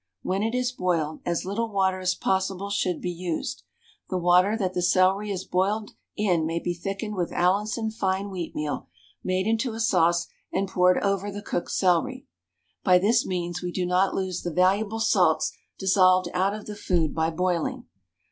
When it is boiled, as little water as possible should be used; the water that the celery is boiled in may be thickened with Allinson fine wheatmeal, made into sauce, and poured over the cooked celery; by this means we do not loose the valuable salts dissolved out of the food by boiling.